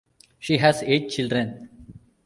She has eight children.